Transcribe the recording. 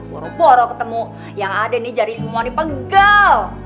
poro poro ketemu yang ada nih jadi semua nih pegel